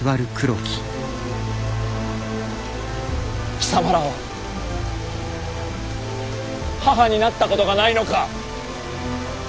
貴様らは母になったことがないのか？